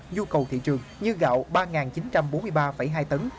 nhu cầu thị trường như gạo ba chín trăm bốn mươi ba hai tấn